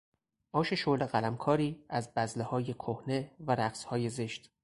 آش شله قلمکاری از بذلههای کهنه و رقصهای زشت